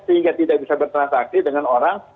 sehingga tidak bisa bertransaksi dengan orang